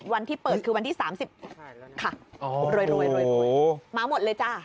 วันที่เปิดคือวันที่๓๐ค่ะรวยมาหมดเลยจ้ะ